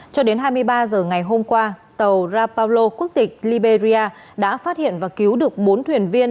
cho đến hai mươi ba h ngày hôm qua tàu rapallo quốc tịch liberia đã phát hiện và cứu được bốn thuyền viên